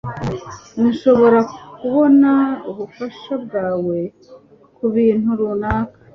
nshobora kubona ubufasha bwawe kubintu runaka